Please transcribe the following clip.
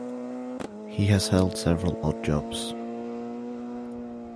He has held several odd jobs.